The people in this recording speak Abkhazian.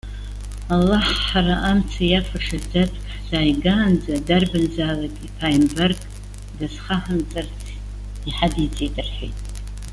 Аллаҳ, ҳара амца иафаша ӡатәк ҳзааиганаӡа дарбанзаалак иԥааимбарк дазхаҳамҵарц иҳадиҵеит,- рҳәеит.